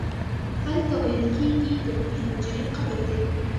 هلته ویل کېږي د بې بي هاجرې قبر دی.